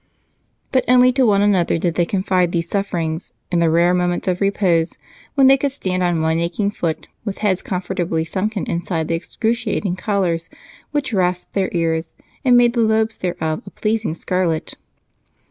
But only to one another did they confide these sufferings and the rare moments of repose when they could stand on one aching foot with heads comfortably sunken inside the excruciating collars, which rasped their ears and made the lobes thereof a pleasing scarlet.